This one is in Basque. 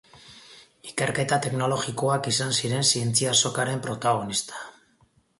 Ikerketa teknologikoak izan ziren zientzia azokaren protagonista.